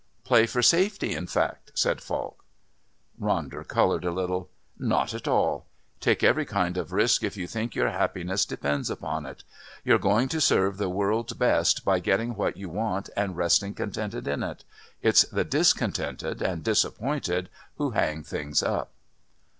"Play for safety, in fact," said Falk. Ronder coloured a little. "Not at all. Take every kind of risk if you think your happiness depends upon it. You're going to serve the world best by getting what you want and resting contented in it. It's the discontented and disappointed who hang things up."